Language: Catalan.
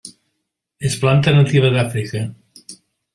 És planta nativa d'Àfrica.